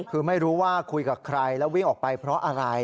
คือไม่รู้ว่าคุยกับใครแล้ววิ่งออกไปเพราะอะไร